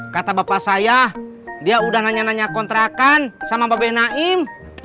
kata bapak saya dia udah nanya nanya kontrakan sama bapak b naim